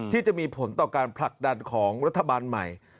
ที่จะมีผลต่อการผลักดันของรัฐบาลใหม่